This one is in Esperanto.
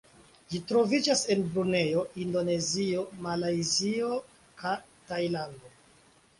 Ĝi troviĝas en Brunejo, Indonezio, Malajzio ka Tajlando.